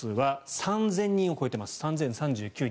２６００人を超えています。